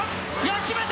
決めた！